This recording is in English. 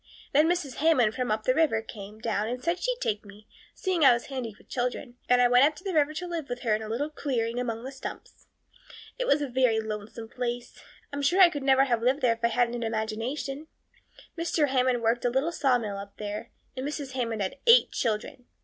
Then Mrs. Hammond from up the river came down and said she'd take me, seeing I was handy with children, and I went up the river to live with her in a little clearing among the stumps. It was a very lonesome place. I'm sure I could never have lived there if I hadn't had an imagination. Mr. Hammond worked a little sawmill up there, and Mrs. Hammond had eight children.